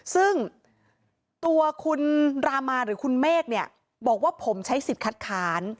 ซึ่งตัวคุณรามาหรือคุณเมฆเนี่ยบอกว่าผมใช้สิทธิ์คัดค้าน